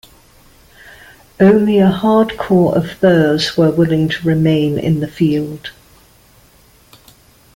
Only a hard core of Boers were willing to remain in the field.